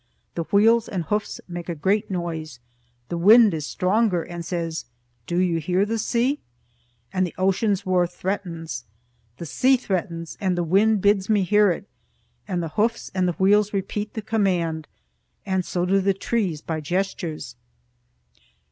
The wheels and hoofs make a great noise; the wind is stronger, and says, "Do you hear the sea?" And the ocean's roar threatens. The sea threatens, and the wind bids me hear it, and the hoofs and the wheels repeat the command, and so do the trees, by gestures.